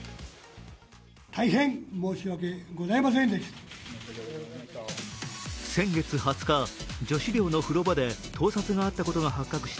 大変申し訳ございませんでした。